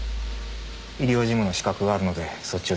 医療事務の資格があるのでそっちを中心に。